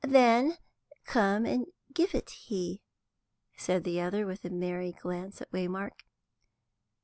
"Then come and give it he," said the other, with a merry glance at Waymark.